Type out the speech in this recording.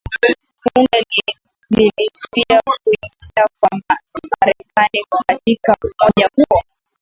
bunge lilizuia kuingia kwa Marekani katika umoja huo